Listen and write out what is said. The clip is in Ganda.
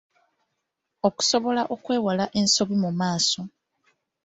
Okusobola okwewala ensobi mu maaso.